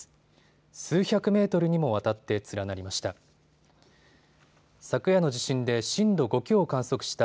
数百メートルにもわたって連なりました。